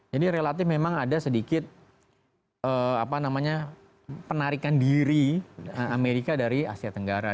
jadi relatif memang ada sedikit penarikan diri amerika dari asia tenggara